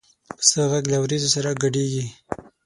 پسه غږ له وریځو سره ګډېږي.